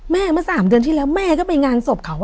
เมื่อ๓เดือนที่แล้วแม่ก็ไปงานศพเขา